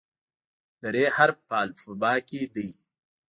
د "ر" حرف په الفبا کې دی.